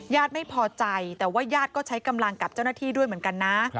ไม่พอใจแต่ว่าญาติก็ใช้กำลังกับเจ้าหน้าที่ด้วยเหมือนกันนะ